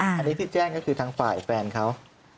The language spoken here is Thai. อันนี้ที่แจ้งก็คือทางฝ่ายแฟนเขา